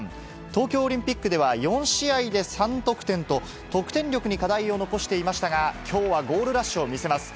東京オリンピックでは４試合で３得点と、得点力に課題を残していましたが、きょうはゴールラッシュを見せます。